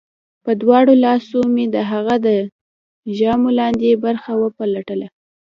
په دواړو لاسو مې د هغه د ژامو لاندې برخه وپلټله